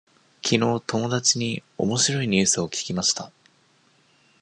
きのう友達におもしろいニュースを聞きました。